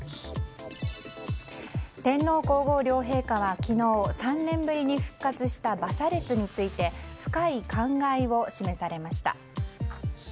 天皇・皇后両陛下は昨日、３年ぶりに復活した馬車列について深い感慨を示されました。